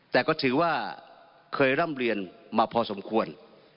แต่ก็ถือว่าเคยร่ำเรียนมาพอสมควร